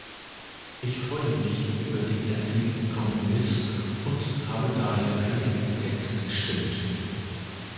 Ich freue mich über den erzielten Kompromiss und habe daher für diesen Text gestimmt.